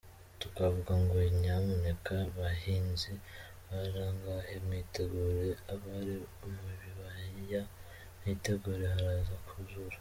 Tukavuga ngo nyamuneka bahinzi bari ahangaha mwitegure, abari mu bibaya mwitegure haraza kuzura.